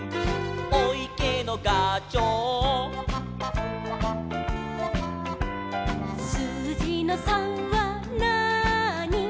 「おいけのがちょう」「すうじの３はなーに」